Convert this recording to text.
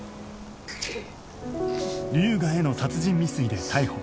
龍河への殺人未遂で逮捕